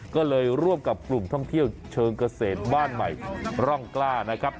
ก็เลยร่วมกับกลุ่มท่องเที่ยวเชิงเกษตรบ้านใหม่ร่องกล้านะครับ